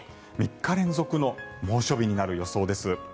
３日連続の猛暑日になる予想です。